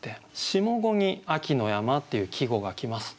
下五に「秋の山」っていう季語が来ます。